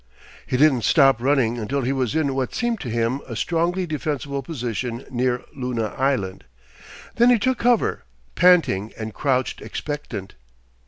He didn't stop running until he was in what seemed to him a strongly defensible position near Luna Island. Then he took cover, panting, and crouched expectant.